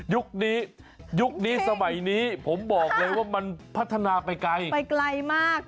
ยุคนี้ยุคนี้สมัยนี้ผมบอกเลยว่ามันพัฒนาไปไกลไปไกลมาก